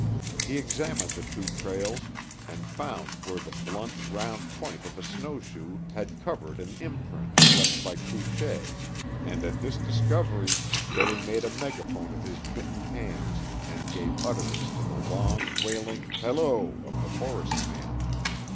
He examined the two trails and found where the blunt, round point of a snow shoe had covered an imprint left by Couchée, and at this discovery Billy made a megaphone of his mittened hands and gave utterance to the long, wailing holloa of the forest man.